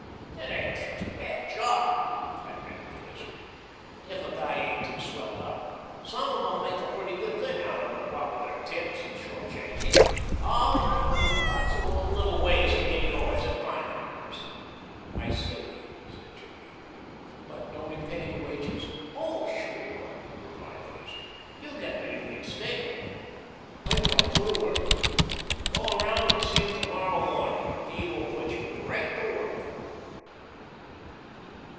"It ain't such a bad job," admitted the Lizard, "if a guy ain't too swelled up. Some of 'em make a pretty good thing out of it, what with their tips and short changing Oh, there are lots of little ways to get yours at Feinheimer's." "I see," said Jimmy; "but don't he pay any wages?" "Oh, sure," replied the Lizard; "you get the union scale." "When do I go to work?" "Go around and see him to morrow morning. He will put you right to work."